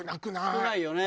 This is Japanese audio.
少ないよね。